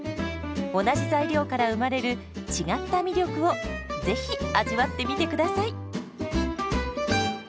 同じ材料から生まれる違った魅力をぜひ味わってみてください。